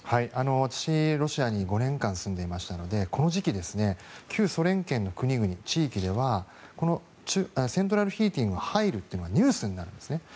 私、ロシアに５年間住んでいましたのでこの時期旧ソ連圏の地域、国々ではセントラルヒーティングが入るというのがニュースになるんです。